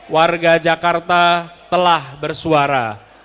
warga jakarta telah bersuara